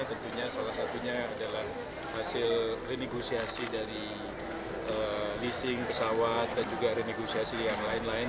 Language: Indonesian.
tentunya salah satunya adalah hasil renegosiasi dari leasing pesawat dan juga renegosiasi yang lain lain